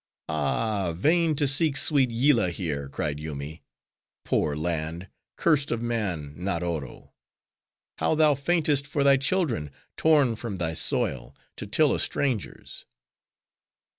"Ah, vain to seek sweet Yillah here," cried Yoomy.—"Poor land! curst of man, not Oro! how thou faintest for thy children, torn from thy soil, to till a stranger's.